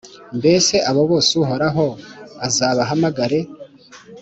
mbese abo bose Uhoraho azabahamagare?.